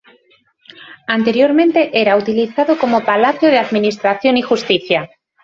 Anteriormente era utilizado como Palacio de Administración y Justicia.